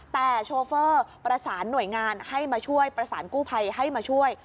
แต่โชเฟอร์ประสานหน่วยงานให้มาช่วยประสานกู้ภัยให้มาช่วย